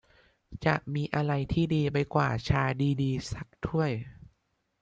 จะมีอะไรที่ดีไปกว่า ชาดี ๆ สักถ้วย ?